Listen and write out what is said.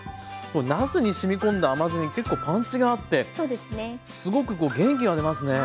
なすにしみこんだ甘酢に結構パンチがあってすごく元気が出ますね。